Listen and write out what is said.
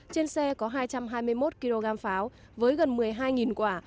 trên xe có hai trăm hai mươi một kg pháo với gần một mươi hai quả